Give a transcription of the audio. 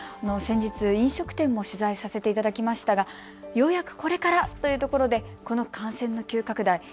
先日、飲食店も取材させていただきましたが、ようやくこれからというところでこの感染の急拡大。